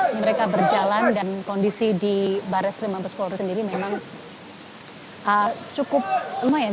ini mereka berjalan dan kondisi di barres krim mabes polri sendiri memang cukup lumayan